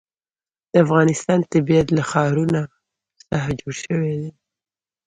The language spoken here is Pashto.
د افغانستان طبیعت له ښارونه څخه جوړ شوی دی.